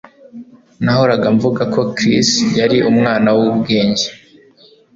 Nahoraga mvuga ko Chris yari umwana wubwenge